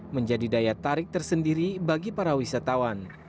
menjadi daya tarik tersendiri bagi para wisatawan